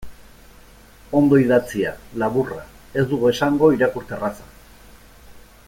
Ondo idatzia, laburra, ez dugu esango irakurterraza.